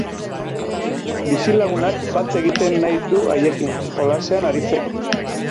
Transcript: Bizilagunak bat egiten nahi du haiekin, jolasean aritzeko.